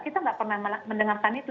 kita nggak pernah mendengarkan itu